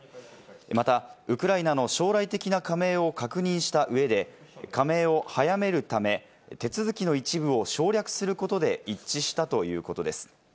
またウクライナの将来的な加盟を確認した上で、加盟を早めるため、手続きの一部を省略することで一致したということです。